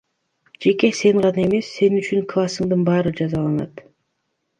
Жеке сен гана эмес, сен үчүн классыңдын баары жазаланат.